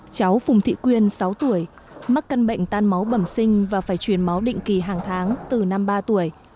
cháu phùng thị quyên sáu tuổi mắc cân bệnh tan máu bẩm sinh và phải chuyển máu định kỳ hàng tháng từ năm ba tuổi